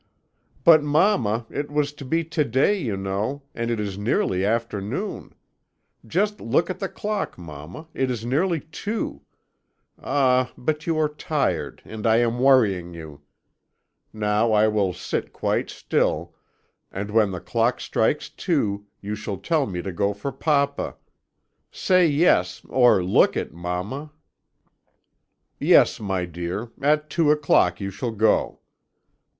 "'But, mamma, it was to be to day, you know, and it is nearly afternoon. Just look at the clock, mamma, it is nearly two Ah, but you are tired, and I am worrying you! Now I will sit quite still, and when the clock strikes two, you shall tell me to go for papa. Say yes, or look it, mamma.' "'Yes, my dear, at two o'clock you shall go.